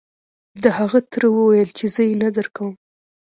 د هغه تره وويل چې زه يې نه درکوم.